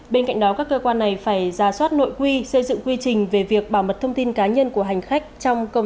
bên cạnh đó các cơ quan này phải ra soát nội quy xây dựng quy trình về việc bảo mật thông tin cá nhân của hành khách trong công